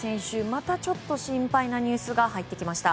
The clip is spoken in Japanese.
また、ちょっと心配なニュースが入ってきました。